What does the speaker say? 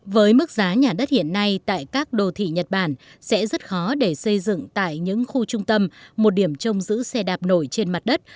với mức giá nhà đất hiện nay tại các đô thị nhật bản sẽ rất khó để xây dựng tại những khu trung tâm một điểm trông giữ xe đạp nổi trên mặt đất